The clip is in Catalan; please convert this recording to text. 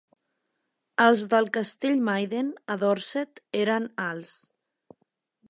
Els del castell Maiden, a Dorset, eren alts.